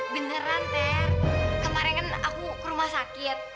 beneran ter kemarin kan aku ke rumah sakit